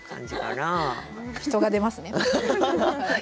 人が出ますね。